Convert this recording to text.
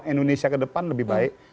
indonesia ke depan lebih baik